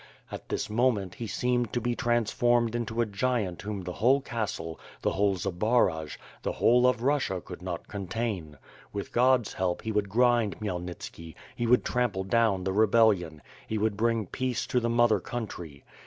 At this moment, he seemed to be transformed into a giant whom the whole castle, the whole Zbaraj, the whole of Russia could not contain. With God's help he would grind Khmyelnitski, he would trample down the rebellion; he would bring peace to the mother country.